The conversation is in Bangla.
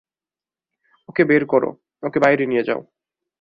ওকে বের করো, ওকে বাইরে নিয়ে যাও।